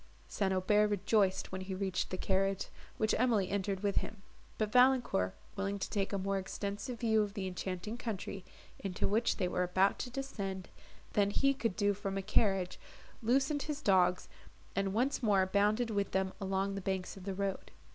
St. Aubert rejoiced when he reached the carriage, which Emily entered with him; but Valancourt, willing to take a more extensive view of the enchanting country, into which they were about to descend, than he could do from a carriage, loosened his dogs, and once more bounded with them along the banks of the road.